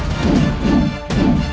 kamu tidak bisa